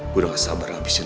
gue udah gak sabar nabisin lo